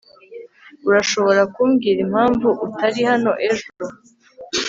urashobora kumbwira impamvu utari hano ejo